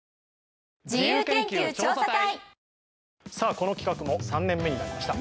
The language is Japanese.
この企画も３年目になりました。